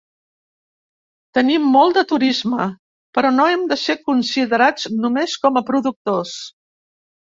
Tenim molt de turisme, però no hem de ser considerats només com a productors.